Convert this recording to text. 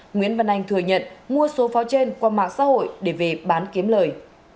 nguyễn văn anh thừa nhận mua số pháo trên qua mạng xã hội để về bán kiếm lời